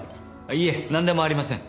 いいえなんでもありません。